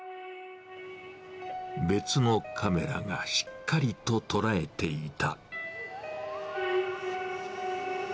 別のカメラがしっかりと捉えていた。